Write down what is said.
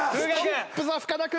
ストップザ深田君。